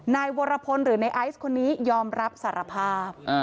นายวรพลหรือในไอซ์คนนี้ยอมรับสารภาพ